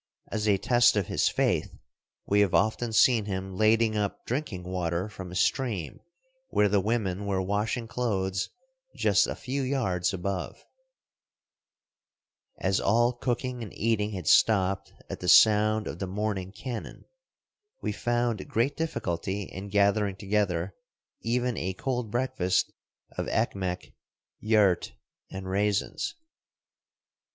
As a test of his faith we have often seen him lading up drinking water from a stream where the women were washing clothes just a few yards above. 16 Across Asia on a Bicycle fsA GIPSIES OF ASIA MINOR. As all cooking and eating had stopped at the sound of the morning cannon, we found great difficulty in gathering together even a cold breakfast of ekmek, yaourt, and raisins.